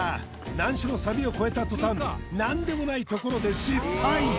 難所のサビを超えた途端何でもないところで失敗